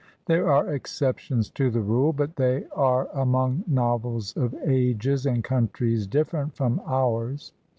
There are exceptions to the rule, but they are among novels of ages and countries dif ferent from ours.